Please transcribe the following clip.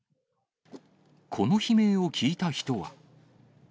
この悲鳴を聞いた人は。